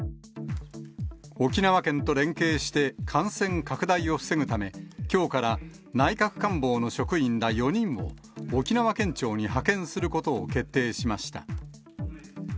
沖縄県と連携して、感染拡大を防ぐため、きょうから内閣官房の職員ら４人を、沖縄県庁に派遣することを決定しました。